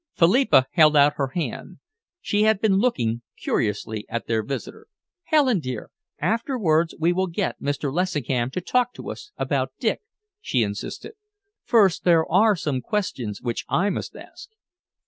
Philippa held out her hand. She had been looking curiously at their visitor. "Helen, dear, afterwards we will get Mr. Lessingham to talk to us about Dick," she insisted. "First there are some questions which I must ask."